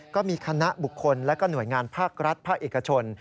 ก็มีคณะบุคคลและก็หน่วยงานภาครัฐภาคเอกชน